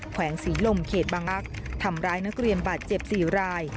แวงศรีลมเขตบางอักษ์ทำร้ายนักเรียนบาดเจ็บ๔ราย